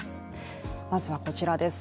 まずはこちらです